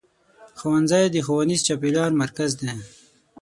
ښوونځی د ښوونیز چاپېریال مرکز دی.